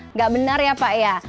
nggak benar ya pak ya